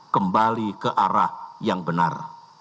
kembali ke arah yang benar